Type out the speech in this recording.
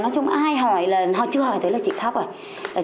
nói chung ai hỏi lần chưa hỏi tới là chị khóc rồi